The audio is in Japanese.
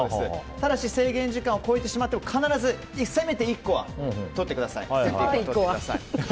ただし制限時間を超えてしまっても、必ずせめて１個は取ってください。